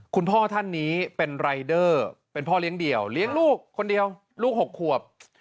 คุณพ่อท่านนี้เป็นรายเดอร์เป็นพ่อเลี้ยงเดี่ยวเลี้ยงลูกคนเดียวลูก๖ขวบ